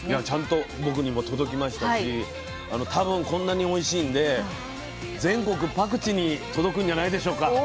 ちゃんと僕にも届きましたし多分こんなにおいしいんで全国パクチに届くんじゃないでしょうか。